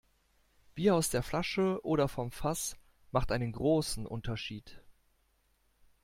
Bier aus der Flasche oder vom Fass macht einen großen Unterschied.